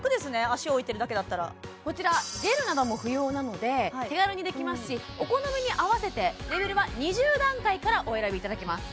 足置いてるだけだったらこちらジェルなども不要なので手軽にできますしお好みに合わせてレベルは２０段階からお選びいただけます